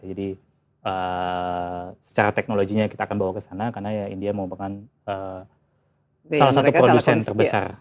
jadi secara teknologinya kita akan bawa ke sana karena ya india mengumpulkan salah satu produsen terbesar